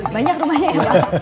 banyak rumahnya ya pak